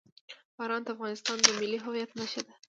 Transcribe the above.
باران د افغانستان د ملي هویت نښه ده.